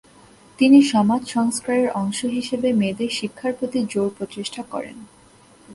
তিনি সমাজ সংস্কারের অংশ হিসেবে মেয়েদের শিক্ষার প্রতি জোর প্রচেষ্টা করেন।